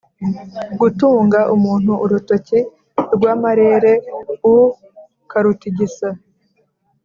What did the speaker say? gutunga umuntu urutoki rwa marere u karutig isa;